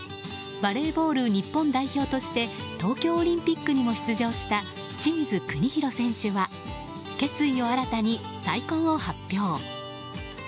バレーボール日本代表として東京オリンピックにも出場した清水邦広選手は決意を新たに再婚を発表。